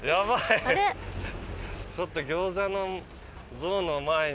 ちょっと餃子の像の前に。